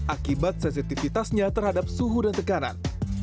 akibat sensitivitasnya terhadap suhu dan tekanan